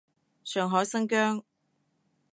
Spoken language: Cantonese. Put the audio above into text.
上海，新疆